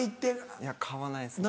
いや買わないですね。